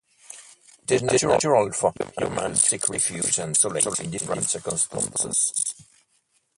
It is natural for humans to seek refuge and solace in different circumstances.